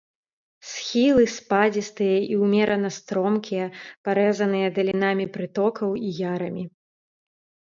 Схілы спадзістыя і ўмерана стромкія, парэзаныя далінамі прытокаў і ярамі.